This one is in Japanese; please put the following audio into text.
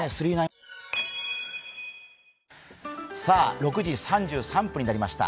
６時３３分になりました。